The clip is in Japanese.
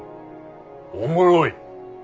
おもろい。